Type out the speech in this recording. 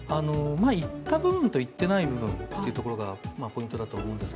言った部分と言ってない部分というのがポイントだと思います。